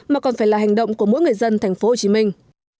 mà còn phải là hành động của mỗi người dân thành phố hồ chí minh